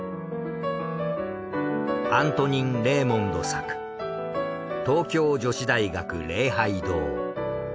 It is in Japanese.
アントニン・レーモンド作『東京女子大学礼拝堂』。